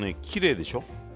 きれいでしょう？